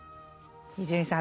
伊集院さん